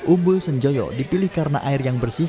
umbul senjoyo dipilih karena air yang bersih